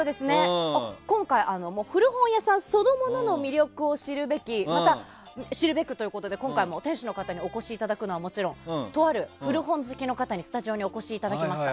今回、古本屋さんそのものの魅力を知るべくということで今回も店主の方にお越しいただくのはもちろんとある古本好きの方にスタジオにお越しいただきました。